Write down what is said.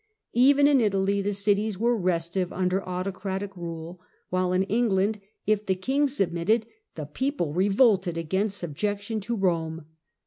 Even in Italy the cities were restive under autocratic rule, while in England, if the king submitted, the people revolted against subjection to Rome.